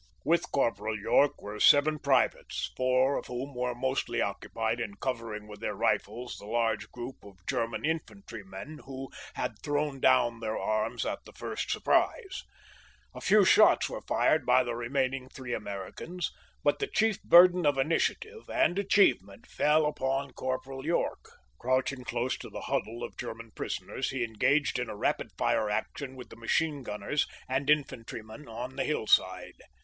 With Corporal York were seven privates, four of whom were mostly occupied in covering with their rifles the large group of German infantrymen who had thrown do vvn their arms at the first surprise, A few shots were fired by the remain ing three Americans, but the chief burden of initiative and achievement fell upon Corporal York. Crouching close to the huddle of German prisoners, he engaged in a rapid fire action with the machine gunners and infantrymen on the hillside.